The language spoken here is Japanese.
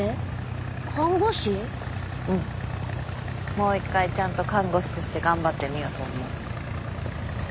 もう一回ちゃんと看護師として頑張ってみようと思う。